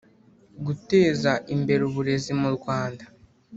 Guteza Imbere Uburezi mu rwanda